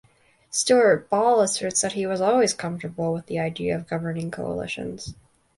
Stuart Ball asserts that he was always comfortable with the idea of governing coalitions.